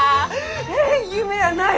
ええっ夢やない！